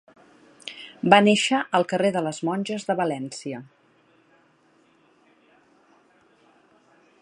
Va néixer al carrer de les Monges de València.